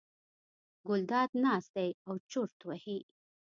ګلداد ناست دی او چورت وهي.